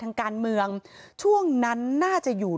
ทางการเมืองช่วงนั้นน่าจะอยู่